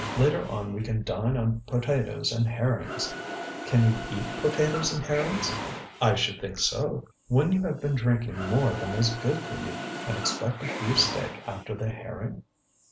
Later on we can dine on potatoes and herrings. ŌĆØ ŌĆ£Can you eat potatoes and herrings? ŌĆØ ŌĆ£I should think so! ŌĆØ ŌĆ£When you have been drinking more than is good for you, and expect a beefsteak after the herring?